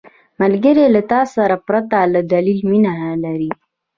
ملګری له تا سره پرته له دلیل مینه لري